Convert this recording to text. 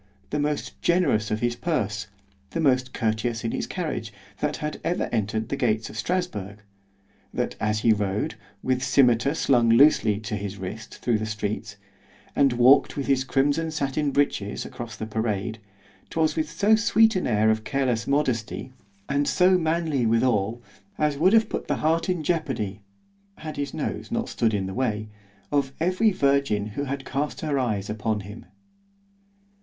—the most generous of his purse—the most courteous in his carriage, that had ever entered the gates of Strasburg—that as he rode, with scymetar slung loosely to his wrist, thro' the streets—and walked with his crimson sattin breeches across the parade—'twas with so sweet an air of careless modesty, and so manly withal——as would have put the heart in jeopardy (had his nose not stood in his way) of every virgin who had cast her eyes upon him.